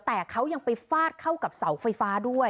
แต่เขายังไปฟาดเข้ากับเสาไฟฟ้าด้วย